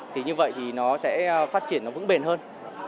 thì như vậy thì nó sẽ phát triển nó vững bền hơn